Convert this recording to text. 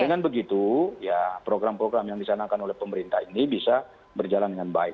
dengan begitu ya program program yang disanakan oleh pemerintah ini bisa berjalan dengan baik